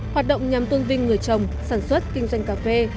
hoạt động nhằm tôn vinh người chồng sản xuất kinh doanh cà phê